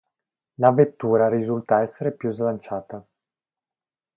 La vettura risulta essere più slanciata.